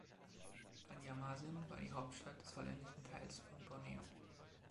Banjarmasin war die Hauptstadt des holländischen Teils von Borneo.